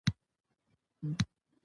مزارشریف د افغانستان د جغرافیې بېلګه ده.